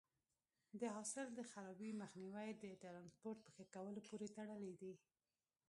د حاصل د خرابي مخنیوی د ټرانسپورټ په ښه کولو پورې تړلی دی.